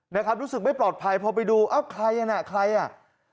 นะครับรู้สึกไม่ปลอดภัยพอไปดูเอ้าใครอ่ะน่ะใครอ่ะ